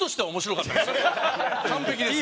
完璧ですよ。